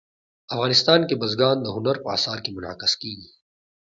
افغانستان کې بزګان د هنر په اثار کې منعکس کېږي.